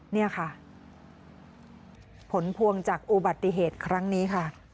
นี่ค่ะผลพวงจากอุบัติเหตุครั้งนี้ค่ะ